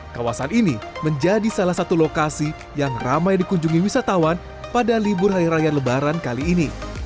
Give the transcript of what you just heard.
kawasan ini menjadi salah satu lokasi yang ramai dikunjungi wisatawan pada libur hari raya lebaran kali ini